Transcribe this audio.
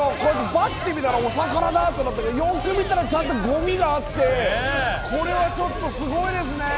ばって見たら、お魚だと思ったけどよく見たら、ちゃんとごみがあってこれはちょっとすごいですね。